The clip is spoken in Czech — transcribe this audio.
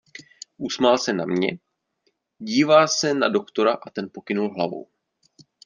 Usmál se na mě, dívá se na doktora a ten pokynul hlavou.